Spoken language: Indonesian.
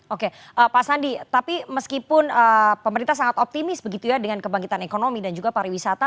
oke pak sandi tapi meskipun pemerintah sangat optimis begitu ya dengan kebangkitan ekonomi dan juga pariwisata